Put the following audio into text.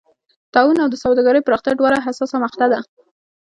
طاعون او د سوداګرۍ پراختیا دواړه حساسه مقطعه وه.